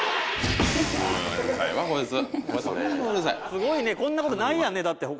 すごいねこんなことないやんねだって他。